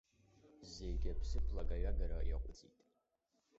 Зегьы аԥсыԥ лагаҩагара иаҟәыҵит.